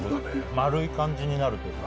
丸い感じになるというか。